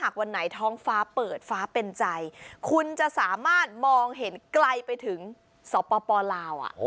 ไกลไปถึงสตปลาว